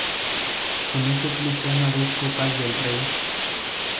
Con este club gana dos Copas del Rey.